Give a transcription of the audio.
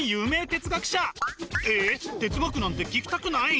哲学なんて聞きたくない？